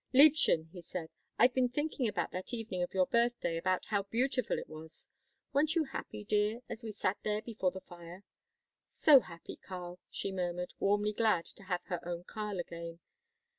"Liebchen," he said, "I've been thinking about that evening of your birthday, about how beautiful it was. Weren't you happy, dear, as we sat there before the fire?" "So happy, Karl," she murmured, warmly glad to have her own Karl again.